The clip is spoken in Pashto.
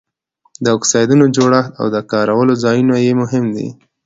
د اکسایډونو جوړښت او د کارولو ځایونه یې مهم دي.